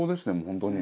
本当に。